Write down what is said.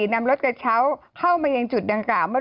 ทำรถกระเช้าเข้ามาอย่างจุดดังกรางกลาง